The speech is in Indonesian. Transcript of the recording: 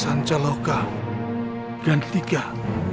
sancaloka ganti kau